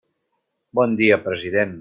Bon dia, president.